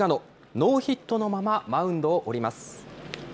ノーヒットのままマウンドを降ります。